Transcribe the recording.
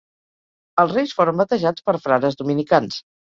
Els reis foren batejats per frares dominicans.